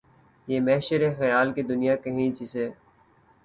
یہ محشرِ خیال کہ دنیا کہیں جسے